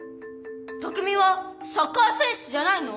拓海はサッカー選手じゃないの？